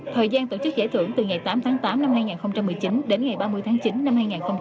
thời gian tổ chức giải thưởng từ ngày tám tháng tám năm hai nghìn một mươi chín đến ngày ba mươi tháng chín năm hai nghìn hai mươi